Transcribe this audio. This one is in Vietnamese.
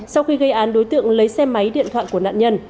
sau khi gây án đối tượng lấy xe máy điện thoại của nạn nhân